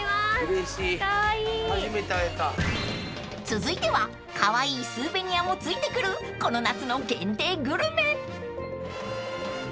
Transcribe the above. ［続いてはカワイイスーベニアも付いてくるこの夏の限定グルメ］